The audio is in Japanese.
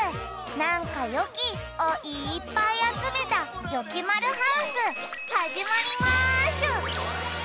「なんかよき！」をいっぱいあつめたよきまるハウスはじまりましゅ！